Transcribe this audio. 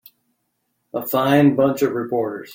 A fine bunch of reporters.